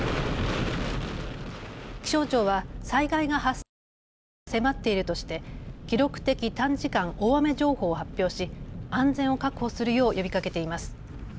気象庁は災害が発生する危険が迫っているとして記録的短時間大雨情報を発表し安全を確保するよう呼びかけています。